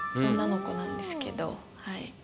女の子なんですけどはい。